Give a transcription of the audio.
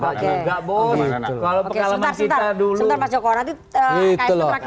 kalau pengalaman kita dulu